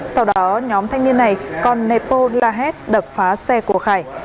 sau đó nhóm thanh niên này còn nẹp bô la hét đập phá xe của khải